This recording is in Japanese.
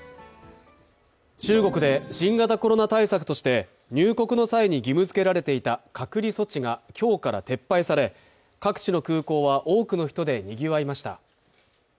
中国で新型コロナ対策として入国の際に義務づけられていた隔離措置が今日から撤廃され、各地の空港は多くの人でにぎわいました。